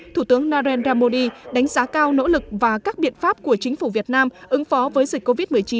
thủ tướng narendra modi đánh giá cao nỗ lực và các biện pháp của chính phủ việt nam ứng phó với dịch covid một mươi chín